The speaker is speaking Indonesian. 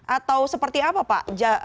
atau seperti apa pak